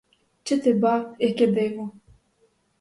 Чи ти ба, яке диво!